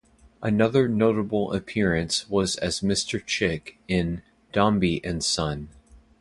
Another notable appearance was as Mr. Chick in "Dombey and Son".